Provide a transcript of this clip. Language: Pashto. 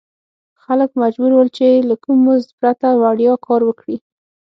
خلک مجبور ول چې له کوم مزد پرته وړیا کار وکړي.